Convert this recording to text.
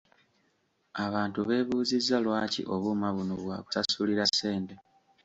Abantu b’ebuuzizza lwaki obuuma buno bwa kusasulira ssente?